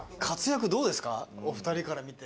「お二人から見て」